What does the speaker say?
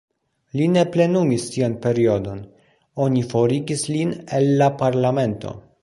Li ne plenumis sian periodon, oni forigis lin el la parlamento.